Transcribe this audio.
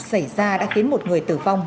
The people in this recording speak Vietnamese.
xảy ra đã khiến một người tử vong